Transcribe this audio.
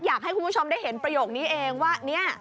อยากให้คุณผู้ชมได้เห็นประโยคนี้เองว่าเนี่ย